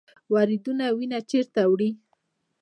وریدونه وینه چیرته وړي؟